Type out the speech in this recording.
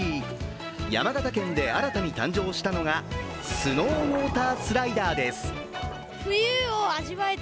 山形県で新たに誕生したのがスノーウォータースライダーです。